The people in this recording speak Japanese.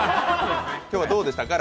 今日はどうでしたか？